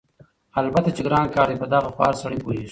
البته چې ګران کار دی په دغه خو هر سړی پوهېږي،